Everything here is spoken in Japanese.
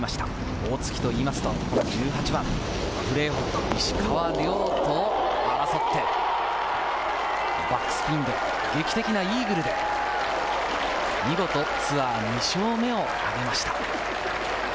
大槻といいますと、１８番プレーオフ、石川遼と争って、バックスピン、劇的なイーグルで見事、ツアー２勝目を挙げました。